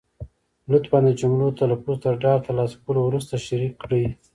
لطفا د جملو تلفظ تر ډاډ تر لاسه کولو وروسته شریکې کړئ.